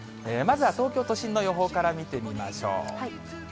まずは東京都心の予報から見てみましょう。